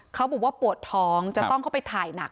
เขาบอกว่าปวดท้องจะต้องเข้าไปถ่ายหนัก